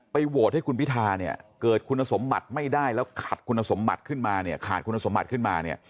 ไปโหวตให้คุณพิทาเกิดคุณสมมัติไม่ได้แล้วขาดคุณสมมัติขึ้นมา